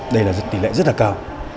đây là tỷ lệ rất là cao